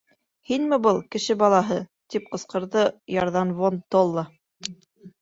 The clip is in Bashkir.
— Һинме был, кеше балаһы? — тип ҡысҡырҙы ярҙан Вон-толла.